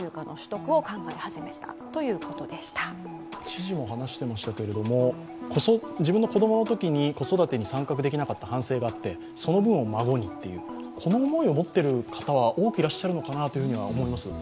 知事も話していましたけど、自分の子供のときに子育てに参画できない経験があってその分を孫にっていう、この思いを持ってる方は多くいらっしゃるのではないかなと思います。